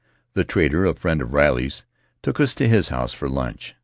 The trader, a friend of Riley's, took us to his house for lunch.